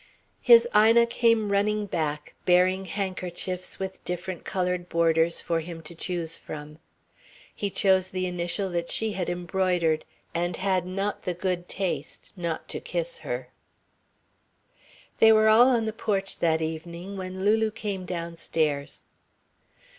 His Ina came running back, bearing handkerchiefs with different coloured borders for him to choose from. He chose the initial that she had embroidered, and had not the good taste not to kiss her. They were all on the porch that evening, when Lulu came downstairs.